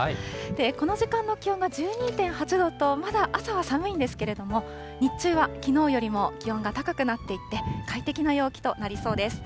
この時間の気温が１２．８度と、まだ朝は寒いんですけども、日中はきのうよりも気温が高くなっていって、快適な陽気となりそうです。